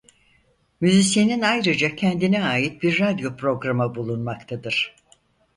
Müzisyenin ayrıca kendine ait bir radyo programı bulunmaktadır.